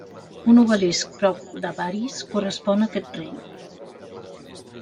Un obelisc prop d'Avaris correspon a aquest rei.